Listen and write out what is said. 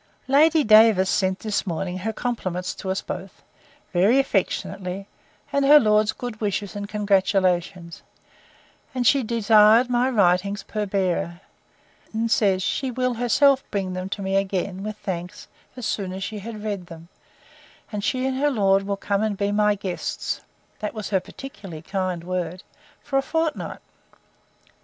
Lady Davers sent this morning her compliments to us both, very affectionately; and her lord's good wishes and congratulations: and she desired my writings per bearer; and says, she will herself bring them to me again, with thanks, as soon as she has read them; and she and her lord will come and be my guests (that was her particularly kind word) for a fortnight.